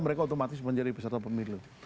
mereka otomatis menjadi peserta pemilu